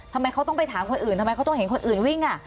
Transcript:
ทำไมเขาต้องไปถามคนอื่นทำไมเขาต้องเห็นคนอื่นวิ่ง